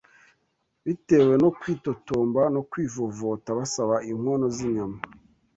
Bitewe no kwitotomba no kwivovota basaba inkono z’inyama